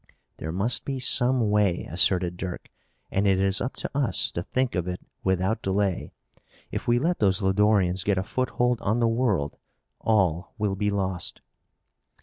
"There must be some way," asserted Dirk, "and it is up to us to think of it without delay. If we let those Lodorians get a foothold on the world all will be lost."